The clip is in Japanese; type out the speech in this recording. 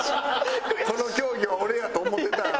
「この競技は俺や」と思ってたお互いな。